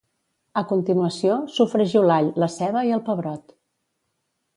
A continuació, sofregiu l'all, la ceba i el pebrot.